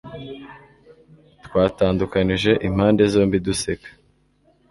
Twatandukanije impande zombi duseka /